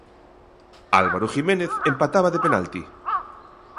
Álvaro Jiménez empataba de penalti.